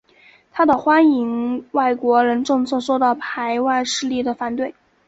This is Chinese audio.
他的欢迎外国人政策受到排外势力的反对。